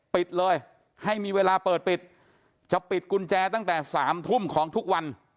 ปิดเลยให้มีเวลาเปิดปิดจะปิดกุญแจตั้งแต่๓ทุ่มของทุกวัน